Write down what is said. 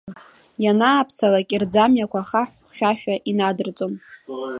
Ианааԥсалакь, рӡамҩақәа ахаҳә хьшәашәа инадырҵон.